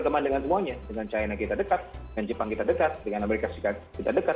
semuanya dengan china kita dekat dengan jepang kita dekat dengan amerika kita dekat